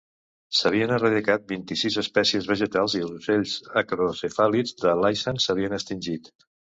S'havien eradicat vint-i-sis espècies vegetals i els ocells acrocefàlids de Laysan s'havien extingit.